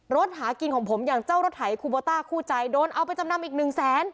หากินของผมอย่างเจ้ารถไถคูโบต้าคู่ใจโดนเอาไปจำนำอีกหนึ่งแสน